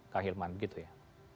kak hilman begitu ya